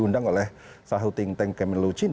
diundang oleh salahutin tengkemen lucin